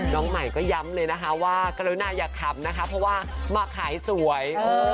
น้องใหม่ก็ย้ำเลยนะคะว่ากรุณาอย่าขำนะคะเพราะว่ามาขายสวย